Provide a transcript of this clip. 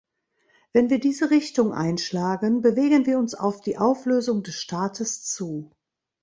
Wenn wir diese Richtung einschlagen, bewegen wir uns auf die Auflösung des Staates zu.